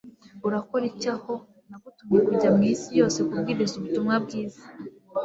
Urakora iki aho Nagutumye kujya mu isi yose kubwiriza ubutumwa bwiza